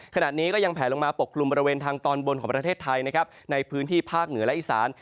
ขณะนี้ก็ยังแผลลงมาปกคลุมบริเวณทางตอนบนของประเทศไทยนะครับในพื้นที่ภาคเหนือและอีสาน